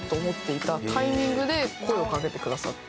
声をかけてくださって。